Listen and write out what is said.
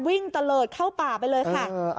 ตะเลิศเข้าป่าไปเลยค่ะ